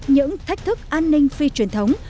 những thách thức an ninh phi truyền thống